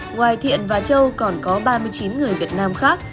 ngoài thiện và châu còn có ba mươi chín người việt nam khác